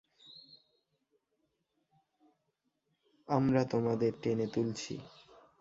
আমরা তোমাদের টেনে তুলছি।